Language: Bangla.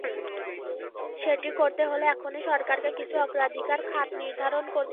সেটি করতে হলে এখনই সরকারকে কিছু অগ্রাধিকার খাত নির্ধারণ করতে হবে।